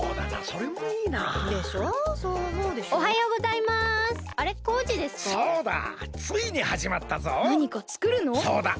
そうだ。